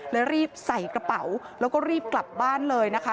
รีบใส่กระเป๋าแล้วก็รีบกลับบ้านเลยนะคะ